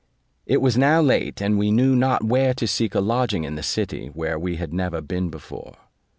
It was now late, and we knew not where to seek a lodging in the city, where we had never been before.